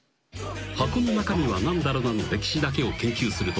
箱の中身はなんだろなの歴史だけを研究する。